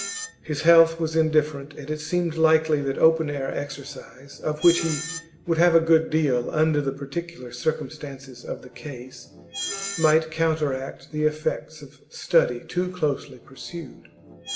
His health was indifferent, and it seemed likely that open air exercise, of which he would have a good deal under the particular circumstances of the case, might counteract the effects of study too closely pursued.